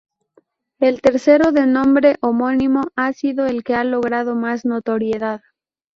El tercero, de nombre homónimo, ha sido el que ha logrado más notoriedad.